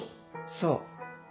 そう。